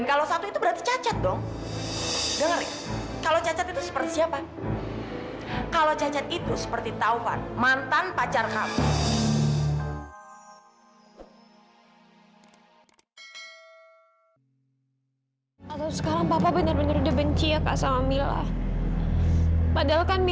kalau cacat itu seperti taufan mantan pacar kamu